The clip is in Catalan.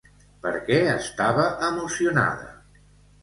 Per què estava emocionada?